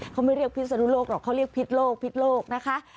เขาไม่เรียกพิศนุโลกหรอกเขาเรียกพิษโลกพิษโลกนะคะ